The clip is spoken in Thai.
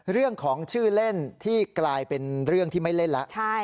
เรื่องของชื่อเล่นที่กลายเป็นเรื่องที่ไม่เล่นแล้ว